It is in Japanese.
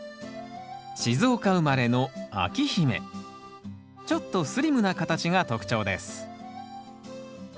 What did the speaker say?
静岡生まれのちょっとスリムな形が特徴です